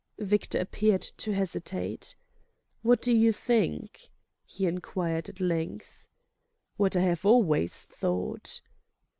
Victor appeared to hesitate. "What do you think?" he enquired at length. "What I have always thought."